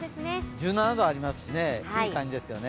１７度ありますしね、いい感じですよね。